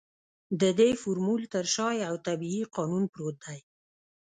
د دې فورمول تر شا يو طبيعي قانون پروت دی.